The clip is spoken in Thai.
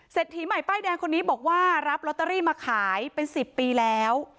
ถีใหม่ป้ายแดงคนนี้บอกว่ารับลอตเตอรี่มาขายเป็น๑๐ปีแล้ว